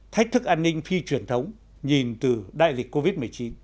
thách thức an ninh phi truyền thống nhìn từ đại dịch covid một mươi chín